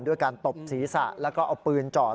ด้วยการตบศีรษะแล้วก็เอาปืนจอด